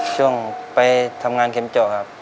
ช่วงไปทำงานเข็มเจาะครับ